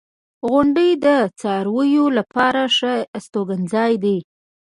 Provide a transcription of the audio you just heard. • غونډۍ د څارویو لپاره ښه استوګنځای دی.